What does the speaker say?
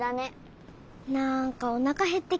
なんかおなかへってきちゃった。